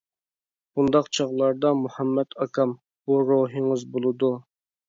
بۇنداق چاغلاردا مۇھەممەت ئاكام:-بۇ روھىڭىز بولىدۇ.